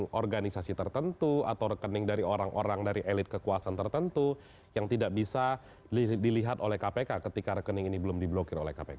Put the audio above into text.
dengan organisasi tertentu atau rekening dari orang orang dari elit kekuasaan tertentu yang tidak bisa dilihat oleh kpk ketika rekening ini belum diblokir oleh kpk